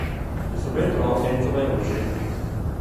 Gli subentrò Enzo Meucci.